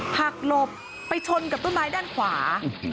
หักหลบไปชนกับต้นไม้ด้านขวา